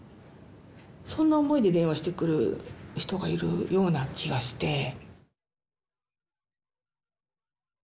そんな思いで電話してくる人がいるような気がして。